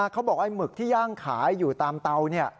เขาบอกว่าหมึกที่ย่างขายอยู่ตามเตา